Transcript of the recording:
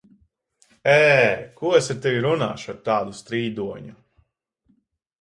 Ē! Ko es ar tevi runāšu, ar tādu strīdoņu?